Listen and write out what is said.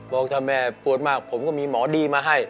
บอกถ้าแม่ปวดมากผมก็มีหมอดีมาให้